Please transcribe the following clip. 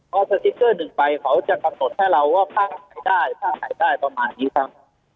พอสติกเตอร์หนึ่งไปเขาจะกำหนดให้เราว่าค่าขายได้ค่าขายได้ประมาณนี้ครับ